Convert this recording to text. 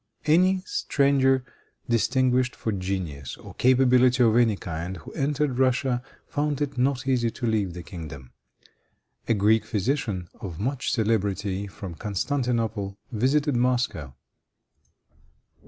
Any stranger, distinguished for genius or capability of any kind, who entered Russia, found it not easy to leave the kingdom. A Greek physician, of much celebrity, from Constantinople, visited Moscow.